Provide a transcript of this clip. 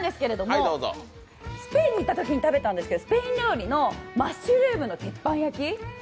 私、スペインに行ったときに食べたんですけど、スペイン料理のマッシュルームの鉄板焼き。